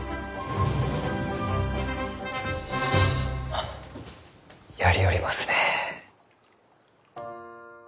ああやりよりますねえ。